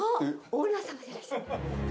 オーナーさんがいらっしゃる。